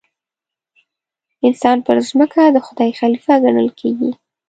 انسان پر ځمکه د خدای خلیفه ګڼل کېږي.